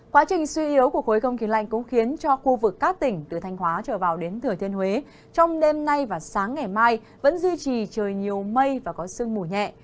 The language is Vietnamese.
quá trình suy yếu của khối không kỳ lạnh cũng khiến cho khu vực các tỉnh từ thanh hóa trở vào đến thừa thiên huế trong đêm nay và sáng ngày mai vẫn duy trì trời nhiều mây và có sương mù nhẹ